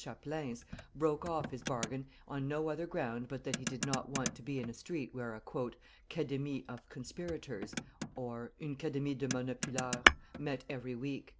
Chapelain's, broke off his bargain on no other ground but that he did not want to be in a street where a 'Cademy of Canspirators (une Cademie e Manopoleurs) met every week."